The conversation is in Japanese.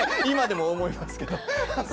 今でも思いますけど。